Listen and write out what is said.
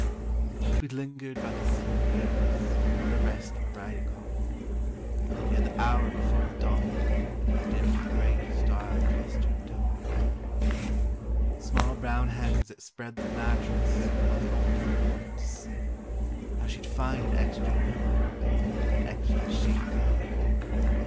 But we lingered by the slip rails While the rest were riding home, Ere the hour before the dawning, Dimmed the great star clustered dome. Small brown hands that spread the mattress While the old folk winked to see How she'd find an extra pillow And an extra sheet for me.